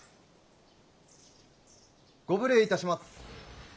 ・ご無礼いたします。